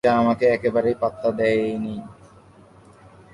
মেয়েটা আমাকে একেবারেই পাত্তা দেয় নি।